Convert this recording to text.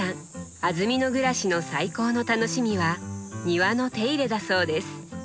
安曇野暮らしの最高の楽しみは庭の手入れだそうです。